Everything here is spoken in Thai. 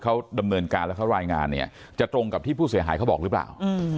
เขาดำเนินการแล้วเขารายงานเนี่ยจะตรงกับที่ผู้เสียหายเขาบอกหรือเปล่า